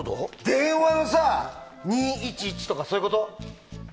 電話の２１１とかそういうこと？